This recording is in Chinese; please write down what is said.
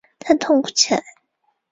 他痛哭起来